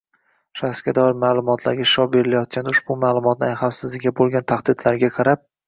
shaxsga doir ma’lumotlarga ishlov berilayotganda ushbu ma’lumotlarning xavfsizligiga bo‘lgan tahdidlarga qarab